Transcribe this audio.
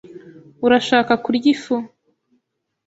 Urashaka kurya ifu?